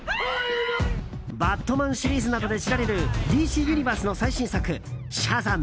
「バットマン」シリーズなどで知られるＤＣユニバースの最新作「シャザム！